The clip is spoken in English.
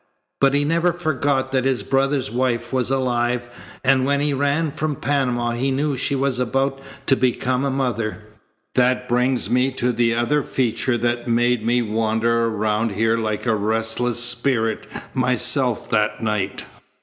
But he never forgot that his brother's wife was alive, and when he ran from Panama he knew she was about to become a mother. "That brings me to the other feature that made me wander around here like a restless spirit myself that night.